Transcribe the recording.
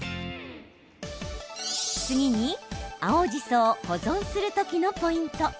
次に、青じそを保存するときのポイント。